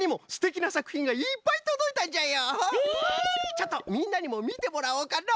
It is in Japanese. ちょっとみんなにもみてもらおうかの！